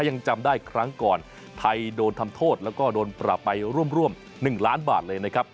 ยังจำได้ครั้งก่อนไทยโดนทำโทษแล้วก็โดนปรับไปร่วม๑ล้านบาทเลยนะครับ